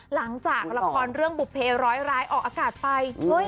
หลังจากละครเรื่องบุภเพร้อยร้ายออกอากาศไป